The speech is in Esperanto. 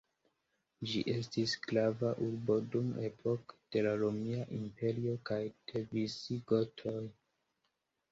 Ĝi estis grava urbo dum epoko de la Romia Imperio kaj de visigotoj.